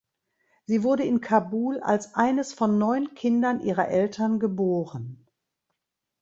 Sie wurde in Kabul als eines von neun Kindern ihrer Eltern geboren.